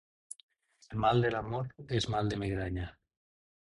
El mal de l'amor és mal de migranya.